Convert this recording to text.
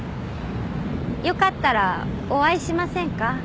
よかったらお会いしませんか？